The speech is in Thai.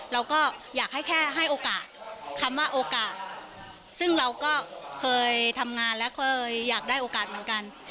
เราก็อยากให้แค่ให้โอกาสคำว่าโอกาสซึ่งเราก็เคยทำงานและเคยอยากได้โอกาสเหมือนกัน